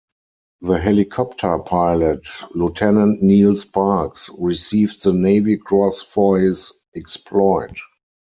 The helicopter pilot, Lieutenant Neil Sparks, received the Navy Cross for his exploit.